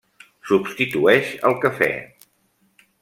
Substitueix el cafè.